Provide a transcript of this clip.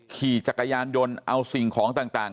ขี่จักรยานยนต์เอาสิ่งของต่าง